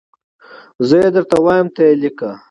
زه یي درته وایم ته یي لیکه